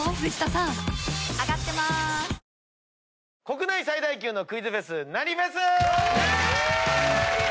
国内最大級のクイズフェス何フェス！